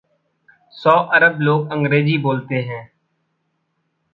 सौ अरब लोग अंग्रेज़ी बोलते हैं।